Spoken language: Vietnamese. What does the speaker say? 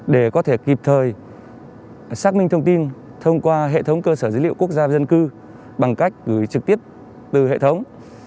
để có thể kịp thời xác minh thông tin thông qua hệ thống cơ sở dữ liệu quốc gia dân cư bằng cách gửi trực tiếp từ hệ thống